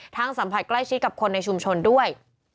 สัมผัสใกล้ชิดกับคนในชุมชนด้วย